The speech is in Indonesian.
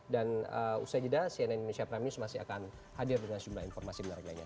dan usai jeda cnn indonesia prime news masih akan hadir dengan sejumlah informasi menarik lainnya